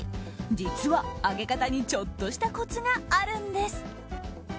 実は、揚げ方にちょっとしたコツがあるんです。